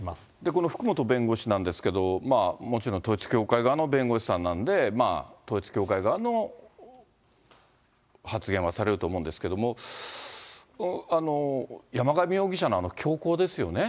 この福本弁護士なんですけど、もちろん統一教会側の弁護士さんなんで、統一教会側の発言はされると思うんですけれども、山上容疑者のあの凶行ですよね。